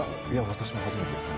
私も初めてです